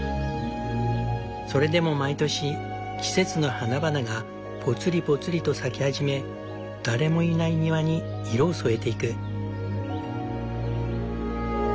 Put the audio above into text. それでも毎年季節の花々がぽつりぽつりと咲き始め誰もいない庭に色を添えていく。